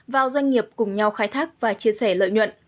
vào doanh nghiệp cùng nhau khai thác và chia sẻ lợi nhuận